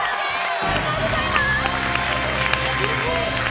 おめでとうございます！